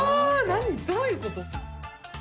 何どういうこと？